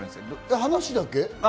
話だけ？